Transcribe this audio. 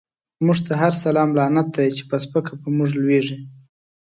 موږ ته هر سلام لعنت دی، چی په سپکه په موږ لويږی